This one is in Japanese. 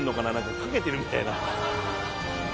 何かかけてるみたいな。